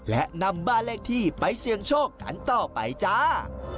และนำบ้านเลขที่ไปเสี่ยงโชคกันต่อไปจ้า